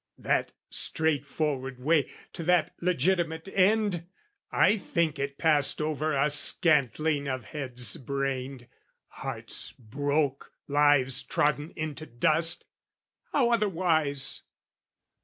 That straightforward way To that legitimate end, I think it passed Over a scantling of heads brained, hearts broke, Lives trodden into dust, how otherwise?